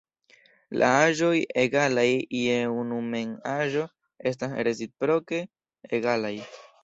La aĵoj egalaj je unu mem aĵo estas reciproke egalaj.